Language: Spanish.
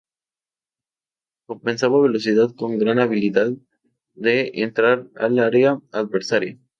Compensaba velocidad con gran habilidad de entrar al área adversaria.